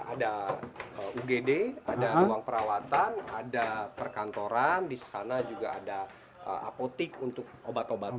ada ugd ada ruang perawatan ada perkantoran di sana juga ada apotik untuk obat obatan